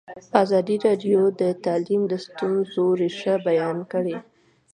ازادي راډیو د تعلیم د ستونزو رېښه بیان کړې.